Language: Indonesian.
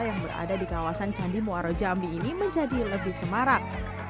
yang berada di kawasan candi muarau jambi ini menjadi lebih semarak